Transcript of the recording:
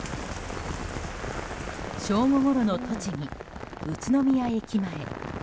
正午ごろの栃木・宇都宮駅前。